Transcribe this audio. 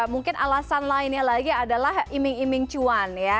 mungkin alasan lainnya lagi adalah iming iming cuan ya